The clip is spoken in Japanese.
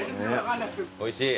おいしい？